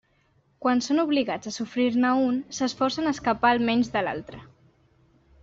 Quan són obligats a sofrir-ne un, s'esforcen a escapar almenys de l'altre.